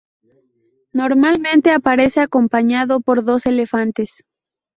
Normalmente aparece acompañado por dos elefantes.